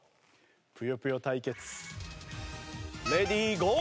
『ぷよぷよ』対決レディーゴー！